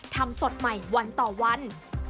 ทำสดใหม่วันต่อวัน